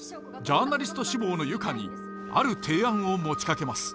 ジャーナリスト志望の由歌にある提案を持ちかけます。